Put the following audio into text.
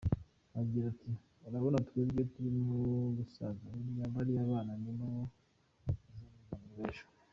Agira ati “Urabona twebwe turimo gusaza, bariya bana nibo bazaba u Rwanda rw’ejo.